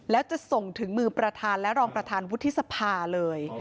แล้วจะส่งถึงมือประธานและรองประธานวุฒิสภาเลย